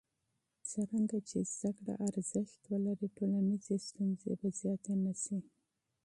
څرنګه چې زده کړه ارزښت ولري، ټولنیزې ستونزې به زیاتې نه شي.